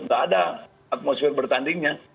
tidak ada atmosfer bertandingnya